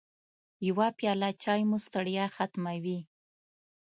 يوه پیاله چای مو ستړیا ختموي.